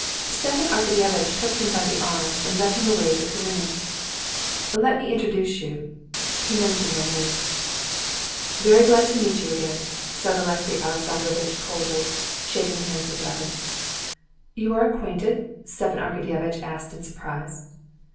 Stepan Arkadyevitch took him by the arm and led him away to Karenin. "Let me introduce you." He mentioned their names. "Very glad to meet you again," said Alexey Alexandrovitch coldly, shaking hands with Levin. "You are acquainted?" Stepan Arkadyevitch asked in surprise.